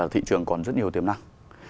thị trường còn rất nhiều tiềm năng